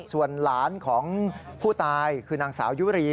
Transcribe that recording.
ส่วนหลานของผู้ตายคือนางสาวยุรี